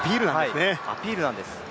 アピールなんです。